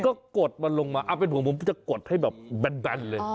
ก็กดมันลงมาเอาเป็นผมจะกดให้แบนเลย